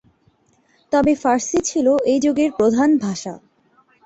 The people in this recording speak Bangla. তবে ফার্সি ছিল এই যুগের প্রধান ভাষা।